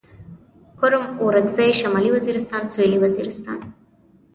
کرم اورکزي شمالي وزيرستان سوېلي وزيرستان